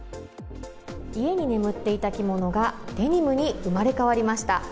家に眠っていた着物がデニムに生まれ変わりました。